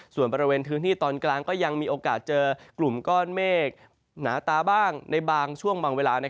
ส่วนบริเวณพื้นที่ตอนกลางก็ยังมีโอกาสเจอกลุ่มก้อนเมฆหนาตาบ้างในบางช่วงบางเวลา